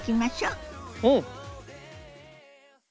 うん！